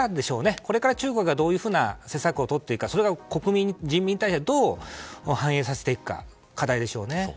これから中国がどういう施策をとるかそれが国民、人民に対してどう反映させていくか課題でしょうね。